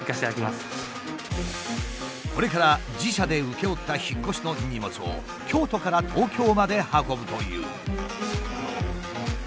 これから自社で請け負った引っ越しの荷物を京都から東京まで運ぶという。